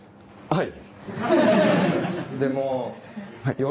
はい！